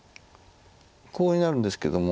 コウになるんですけども。